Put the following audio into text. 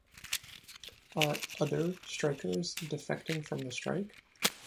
Are "other" strikers defecting from the strike?